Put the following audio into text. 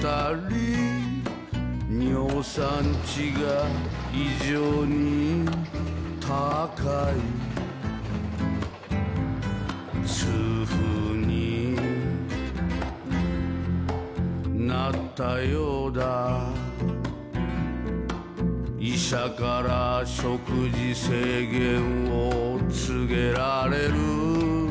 「尿酸値が異常に高い」「痛風になったようだ」「医者から食事制限を告げられる」